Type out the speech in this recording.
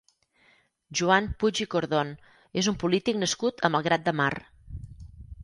Joan Puig i Cordon és un polític nascut a Malgrat de Mar.